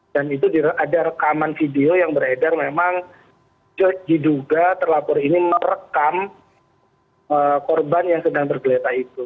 dan itu ada rekaman video yang beredar memang diduga terlapor ini merekam korban yang sedang tergeletak itu